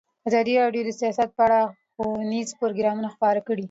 ازادي راډیو د سیاست په اړه ښوونیز پروګرامونه خپاره کړي.